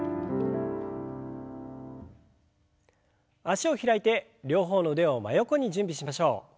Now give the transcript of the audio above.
脚を開いて両方の腕を真横に準備しましょう。